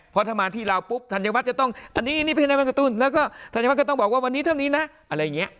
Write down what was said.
เพราะถ้ามาที่เราปุ๊บธัญวัฒน์จะต้องอันนี้นี่ภายในวัดกระตุ้นแล้วก็ธัญวัฒนก็ต้องบอกว่าวันนี้เท่านี้นะอะไรอย่างนี้